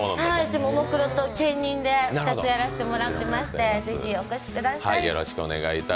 ももクロと兼任で２つやらせていただいていて、ぜひお越しください。